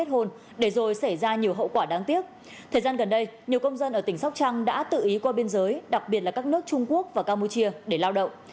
thời gian gần đây nhiều công dân ở tỉnh sóc trăng đã tự ý qua biên giới đặc biệt là các nước trung quốc và campuchia để lao động